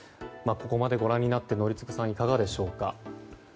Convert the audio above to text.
ここまでご覧になって宜嗣さん、いかがでしょうか。